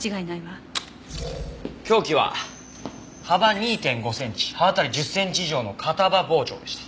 凶器は幅２．５センチ刃渡り１０センチ以上の片刃包丁でした。